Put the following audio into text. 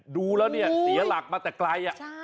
ดูแล้วเนี่ยเสียหลักมาแต่ไกล